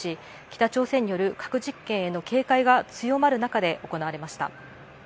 北朝鮮による核実験への警戒が強まる中で行われました。